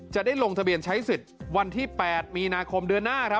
จะได้ลงทะเบียนใช้สิทธิ์วันที่๘มีนาคมเดือนหน้าครับ